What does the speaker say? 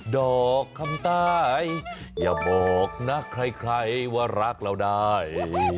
ดอกคำใต้อย่าบอกนะใครว่ารักเราได้